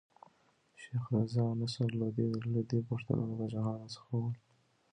شېخ رضي او نصر لودي د لودي پښتنو د پاچاهانو څخه ول.